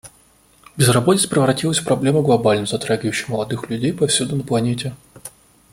Безработица превратилась в проблему глобальную, затрагивающую молодых людей повсюду на планете.